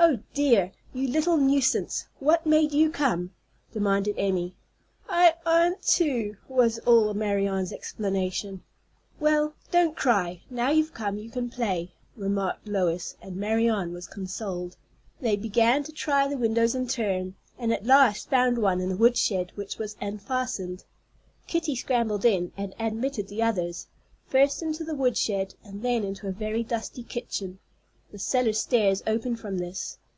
"Oh, dear! You little nuisance! What made you come?" demanded Emmy. "I 'ant to," was all Marianne's explanation. "Well, don't cry. Now you've come, you can play," remarked Lois; and Marianne was consoled. They began to try the windows in turn, and at last found one in a wood shed which was unfastened. Kitty scrambled in, and admitted the others, first into the wood shed and then into a very dusty kitchen. The cellar stairs opened from this.